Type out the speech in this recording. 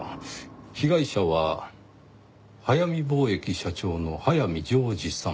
被害者は速水貿易社長の速水丈二さん。